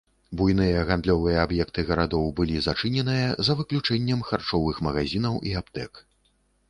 Буйныя гандлёвыя аб'екты гарадоў былі зачыненыя за выключэннем харчовых магазінаў і аптэк.